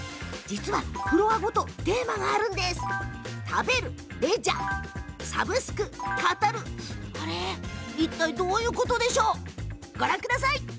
フロアごとテーマがあって食べる、レジャーサブスク、語るいったい、どういうこと？